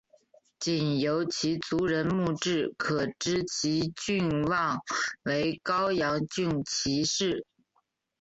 仅由其族人墓志可知其郡望为高阳郡齐氏。